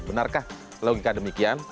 benarkah logika demikian